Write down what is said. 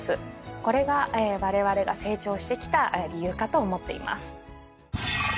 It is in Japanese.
これがわれわれが成長してきた理由かと思っています。